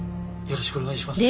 よろしくお願いします。